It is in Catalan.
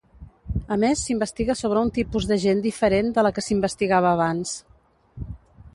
A més, s'investiga sobre un tipus de gent diferent de la que s'investigava abans.